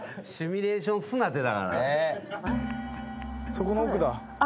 そこの奥だ。